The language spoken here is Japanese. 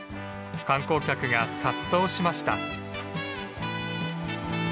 観光客が殺到しました。